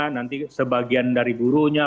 nanti sebagian dari burunya